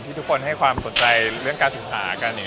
ทุกคนให้ความสนใจเรื่องการศึกษากัน